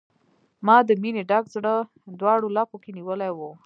ما د مینې ډک زړه، دواړو لپو کې نیولی و